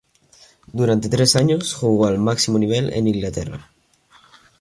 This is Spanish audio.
Durante tres años jugó al máximo nivel en Inglaterra.